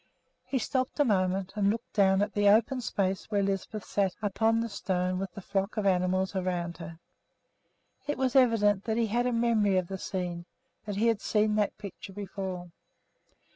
He stopped a moment and looked down at the open space where Lisbeth sat upon the stone with the flock of animals around her. It was evident that he had a memory of the scene, that he had seen that picture before.